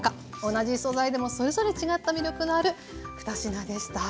同じ素材でもそれぞれ違った魅力がある２品でした。